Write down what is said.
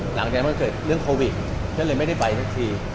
หลังจากนั้นมันเกิดเรื่องโควิดก็เลยไม่ได้ไปสักที